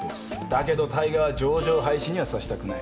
だけど大我は上場廃止にはさせたくない。